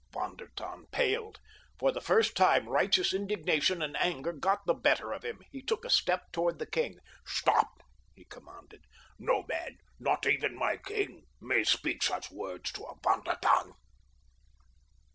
Von der Tann paled. For the first time righteous indignation and anger got the better of him. He took a step toward the king. "Stop!" he commanded. "No man, not even my king, may speak such words to a Von der Tann."